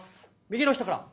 右の人から。